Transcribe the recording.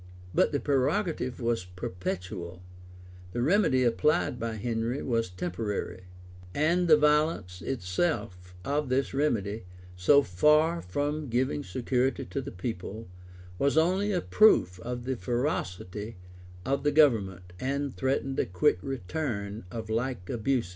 [] But the prerogative was perpetual; the remedy applied by Henry was temporary; and the violence itself of this remedy, so far from giving security to the people, was only a proof of the ferocity of the government, and threatened a quick return of like abuses.